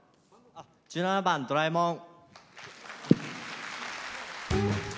１７番「ドラえもん」。